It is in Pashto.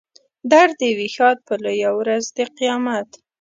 در دې وي ښاد په لویه ورځ د قیامت.